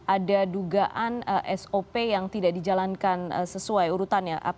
ada dugaan sop yang tidak dijalankan sesuai urutan ya